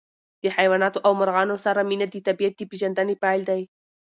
د حیواناتو او مرغانو سره مینه د طبیعت د پېژندنې پیل دی.